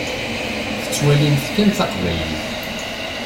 Tettwalimt kan taqbaylit.